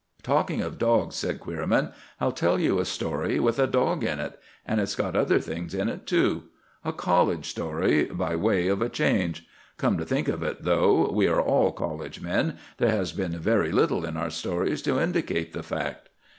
"Talking of dogs," said Queerman, "I'll tell you a story with a dog in it. And it's got other things in it too. A college story, by way of a change. Come to think of it, though we are all college men, there has been very little in our stories to indicate the fact."